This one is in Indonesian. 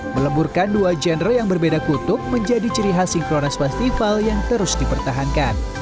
meleburkan dua genre yang berbeda kutub menjadi ciri khas synchronize festival yang terus dipertahankan